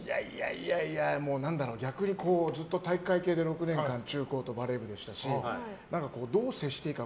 いやいや逆にずっと体育会系で６年間中高とバレー部でしたしどう接していいか